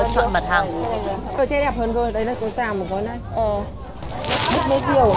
cô chơi đẹp hơn rồi đây là cô giảm của cô này